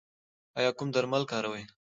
ایا کوم درمل کاروئ؟